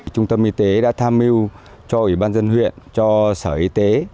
trung tâm y tế đã tham mưu cho ủy ban dân huyện cho sở y tế